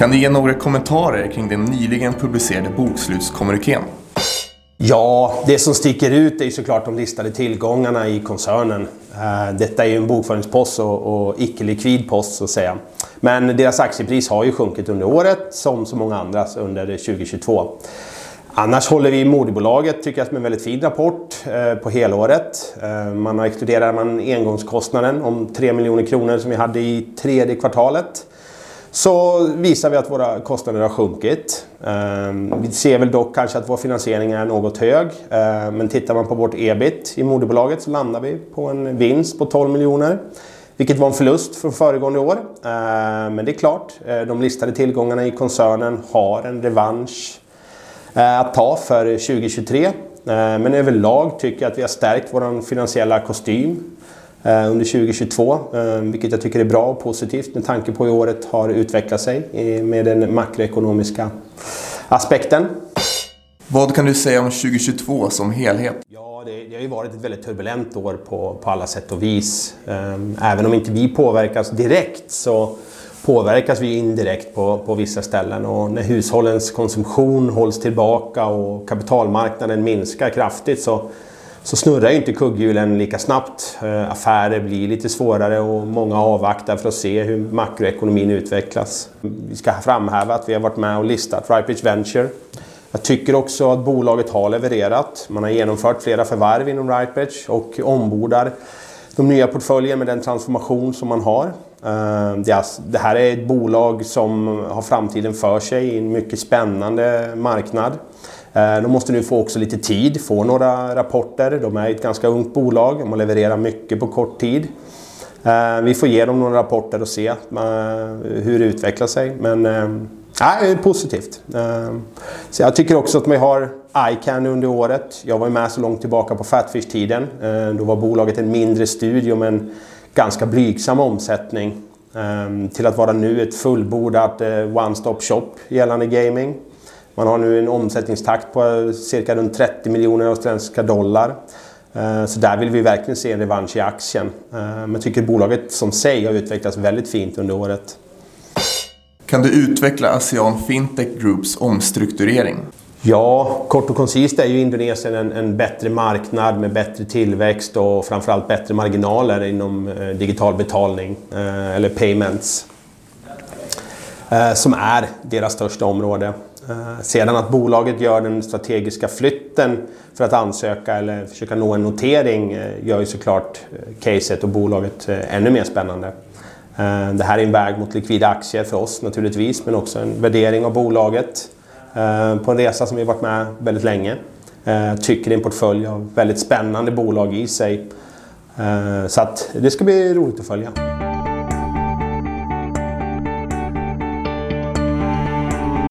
Kan du ge några kommentarer kring den nyligen publicerade bokslutskommunikén? Det som sticker ut är såklart de listade tillgångarna i koncernen. Detta är ju en bokföringspost och icke likvid post så att säga. Men deras aktiepris har ju sjunkit under året som så många andras under 2022. Annars håller vi i moderbolaget, tycker jag, med en väldigt fin rapport på helåret. Man har, exkluderar man engångskostnaden om 3 million kronor som vi hade i 3rd quarter, så visar vi att våra kostnader har sjunkit. Vi ser väl dock kanske att vår finansiering är något hög. Men tittar man på vårt EBIT i moderbolaget så landar vi på en vinst på 12 million, vilket var en förlust från föregående år. Men det är klart, de listade tillgångarna i koncernen har en revansch att ta för 2023. Överlag tycker jag att vi har stärkt vår finansiella kostym under 2022, vilket jag tycker är bra och positivt med tanke på hur året har utvecklat sig med den makroekonomiska aspekten. Vad kan du säga om 2022 som helhet? Det har ju varit ett väldigt turbulent år på alla sätt och vis. Även om inte vi påverkas direkt så påverkas vi indirekt på vissa ställen. När hushållens konsumtion hålls tillbaka och kapitalmarknaden minskar kraftigt så snurrar inte kugghjulen lika snabbt. Affärer blir lite svårare och många avvaktar för att se hur makroekonomin utvecklas. Vi ska framhäva att vi har varit med och listat RightBridge Ventures. Jag tycker också att bolaget har levererat. Man har genomfört flera förvärv inom RightBridge och ombordar de nya portföljen med den transformation som man har. Det här är ett bolag som har framtiden för sig i en mycket spännande marknad. De måste nu få också lite tid, få några rapporter. De är ett ganska ungt bolag. De har levererat mycket på kort tid. Vi får ge dem några rapporter och se hur det utvecklar sig. Ja, positivt. Jag tycker också att vi har iCandy under året. Jag var med så långt tillbaka på Fatfish Group-tiden. Då var bolaget en mindre studio med en ganska blygsam omsättning till att vara nu ett fullbordat one-stop shop gällande gaming. Man har nu en omsättningstakt på cirka runt 30 million dollar. Där vill vi verkligen se en revansch i aktien. Tycker bolaget som sig har utvecklats väldigt fint under året. Kan du utveckla ASEAN Fintech Group omstrukturering? Kort och koncist är ju Indonesien en bättre marknad med bättre tillväxt och framför allt bättre marginaler inom digital betalning, eller payments, som är deras största område. Sedan att bolaget gör den strategiska flytten för att ansöka eller försöka nå en notering gör ju så klart caset och bolaget ännu mer spännande. Det här är en väg mot likvida aktier för oss naturligtvis, men också en värdering av bolaget på en resa som vi varit med väldigt länge. Tycker det är en portfölj av väldigt spännande bolag i sig. Det ska bli roligt att följa.